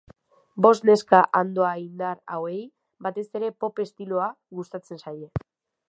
Bost neska andoaindar hauei batez ere pop estiloa gustatzen zaie.